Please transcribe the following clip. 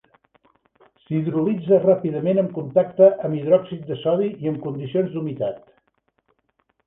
S'hidrolitza ràpidament en contacte amb hidròxid de sodi en condicions d'humitat.